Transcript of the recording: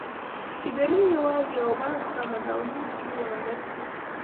چې ګنې یوازې یوه بڼه سمه ده او نورې ټولې غلطې